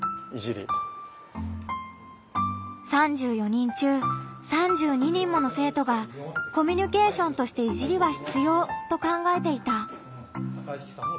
３４人中３２人もの生徒が「コミュニケーションとしていじりは必要」と考えていた。